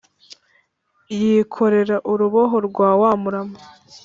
yikorera uruboho rwa wa murama